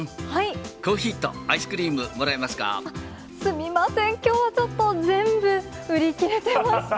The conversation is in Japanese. コーヒーとアイスクリすみません、きょうはちょっと全部売り切れてまして。